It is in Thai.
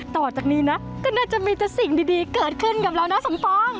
ต่อจากนี้นะก็น่าจะมีแต่สิ่งดีเกิดขึ้นกับเรานะสมปอง